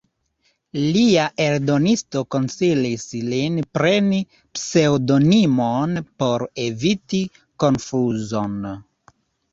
Lia eldonisto konsilis lin preni pseŭdonimon por eviti konfuzon.